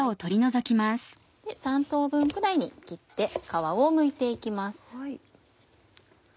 ３等分くらいに切って皮をむいて行きます。